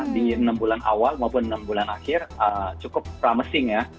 di enam bulan awal maupun enam bulan akhir cukup promising ya